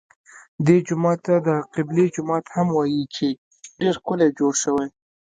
دې جومات ته د قبلې جومات هم وایي چې ډېر ښکلی جوړ شوی.